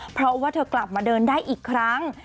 เพราะว่าเธอกลับมาเดินได้อีกครั้ง